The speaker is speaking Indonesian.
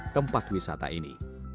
tempat wisata ini